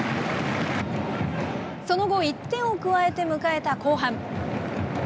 その後、１点を加えて迎えた後半。